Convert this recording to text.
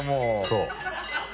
そう。